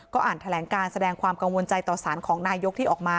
อ่านแถลงการแสดงความกังวลใจต่อสารของนายกที่ออกมา